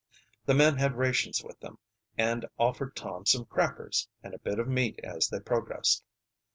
The men had rations with them, and offered Tom some crackers and a bit of meat as they progressed.